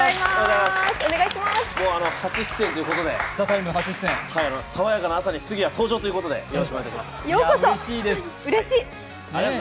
初出演ということで、爽やかな朝に杉谷登場ということで、よろしくお願いします。